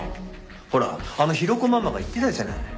ほらあのヒロコママが言ってたじゃない。